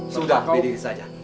sudah pak kandis saja